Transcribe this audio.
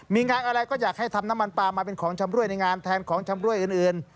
มีงานอะไรก็อยากให้ทำน้ำมันปลามาเป็นของชำรวยในงานแทนของชำรวยอื่น